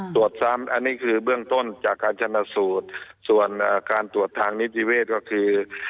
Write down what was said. ตรวจซ้ำอันนี้คือเบื้องต้นจากการชนะสูตรส่วนการตรวจทางนิติเวศก็คือ